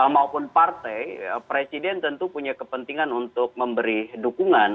maupun partai presiden tentu punya kepentingan untuk memberi dukungan